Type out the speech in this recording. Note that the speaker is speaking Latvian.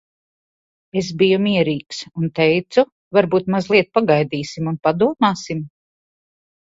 Es biju mierīgs. Un teicu, "Varbūt mazliet pagaidīsim un padomāsim?